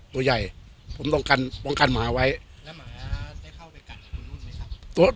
ตัวใหญ่ผมต้องการป้องกันหมาไว้แล้วหมาได้เข้าไปกัดคนนู้นไหมครับ